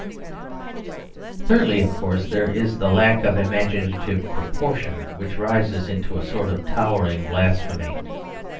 Thirdly, of course, there is the lack of imaginative proportion, which rises into a sort of towering blasphemy.